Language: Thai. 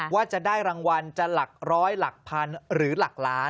ว่าจะได้รางวัลจะหลักร้อยหลักพันหรือหลักล้าน